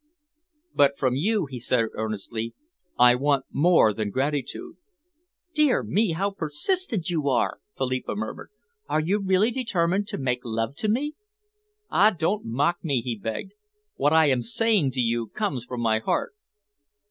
"But from you," he said earnestly, "I want more than gratitude." "Dear me, how persistent you are!" Philippa murmured. "Are you really determined to make love to me?" "Ah, don't mock me!" he begged. "What I am saying to you comes from my heart."